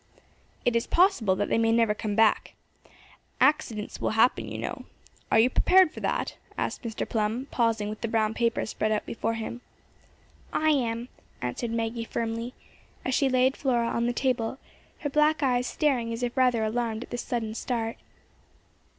"It is possible that they may never come back. Accidents will happen you know. Are you prepared for that?" asked Mr. Plum, pausing with the brown paper spread out before him. "I am," answered Maggie firmly, as she laid Flora on the table, her black eyes staring as if rather alarmed at this sudden start.